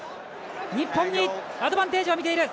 日本にアドバンテージをみている。